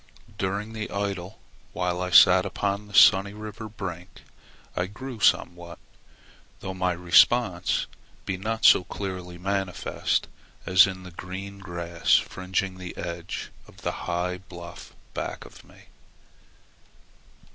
During the idle while I sat upon the sunny river brink, I grew somewhat, though my response be not so clearly manifest as in the green grass fringing the edge of the high bluff back of me.